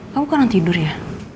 kamu kurang tidur ya